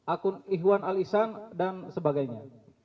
akun ihwan alisan dan sebagainya